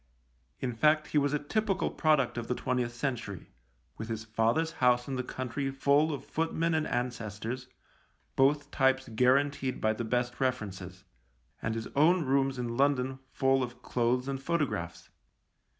In fact, he was a typical product of the twentieth century — with his father's house in the country full of footmen and ancestors, both types guaranteed by the best references — and his own rooms in London full of clothes and photographs.